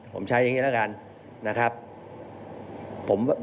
ผมใช้อย่างนี้แล้วกัน